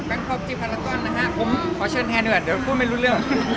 คอปที่พารากอนนะฮะผมขอเชิญแทนด้วยเดี๋ยวพูดไม่รู้เรื่อง